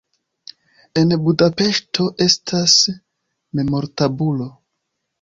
En Budapeŝto estas memortabulo.